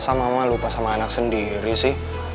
sama mama lupa sama anak sendiri sih